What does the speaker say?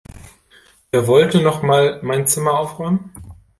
Wer wollte noch mal mein Zimmer aufräumen?